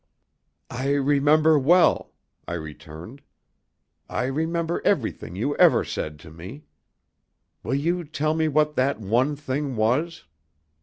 "I remember well," I returned. "I remember everything you ever said to me. Will you tell me what that one thing was?"